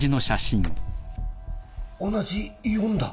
同じ「４」だ！？